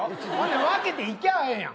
分けていきゃええやん。